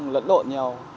lẫn lộn nhau